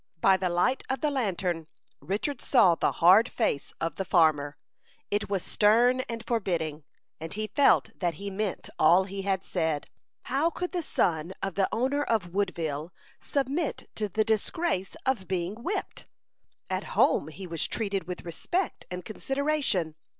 By the light of the lantern Richard saw the hard face of the farmer. It was stern and forbidding, and he felt that he meant all he had said. How could the son of the owner of Woodville submit to the disgrace of being whipped? At home he was treated with respect and consideration.